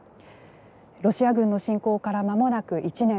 ロシア軍の侵攻からまもなく１年。